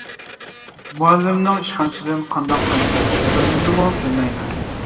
مۇئەللىمنىڭ ئىشخانىسىدىن قانداق قايتىپ چىققىنىمنىمۇ بىلمەيمەن.